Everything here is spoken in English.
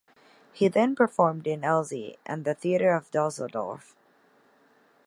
He then performed in Alzey and the theater of Düsseldorf.